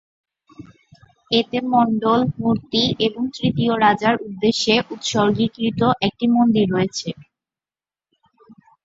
এতে মন্ডল, মূর্তি এবং তৃতীয় রাজার উদ্দেশ্যে উৎসর্গীকৃত একটি মন্দির রয়েছে।